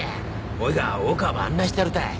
おいが大川ば案内してやるたい。